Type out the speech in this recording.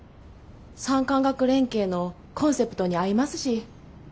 産官学連携のコンセプトに合いますし。